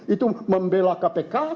itu membela kpk